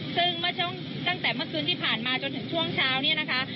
ซึ่งตั้งแต่เมื่อคืนที่ผ่านมาจนถึงช่วงเช้า